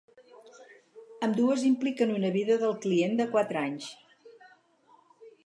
Ambdues impliquen una vida del client de quatre anys.